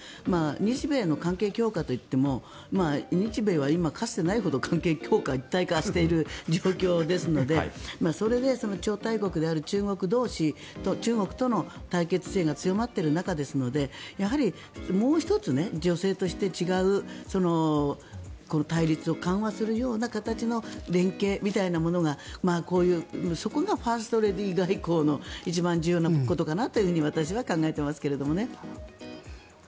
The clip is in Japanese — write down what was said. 日米の関係強化といっても日米は今、かつてないほど関係強化一体化している状況ですのでそれで、超大国である中国との対決姿勢が強まっている中ですのでやはりもう１つ、女性として違う、対立を緩和するような形の連携みたいなものがこういう、そこがファーストレディー外交の一番重要なことかなと私は考えていますけどね。